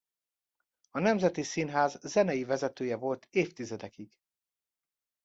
A Nemzeti Színház zenei vezetője volt évtizedekig.